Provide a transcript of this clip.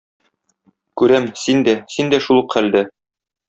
Күрәм, син дә, син дә шул ук хәлдә